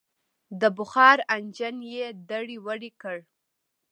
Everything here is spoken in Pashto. د بخار انجن یې دړې وړې کړ.